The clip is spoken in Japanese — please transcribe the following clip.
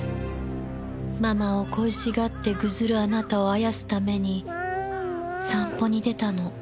ママを恋しがってぐずるあなたをあやすために散歩に出たの。